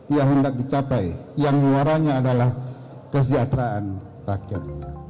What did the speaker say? yang hendak dicapai yang luarannya adalah kesejahteraan rakyat